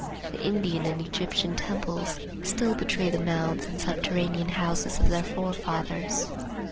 The Indian and Egyptian temples still betray the mounds and subterranean houses of their forefathers.